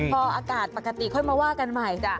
พออากาศปกติค่อยมาว่ากันใหม่จ้ะ